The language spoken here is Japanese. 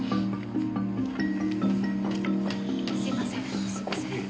すいませんすいません。